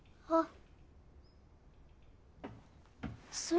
あっ。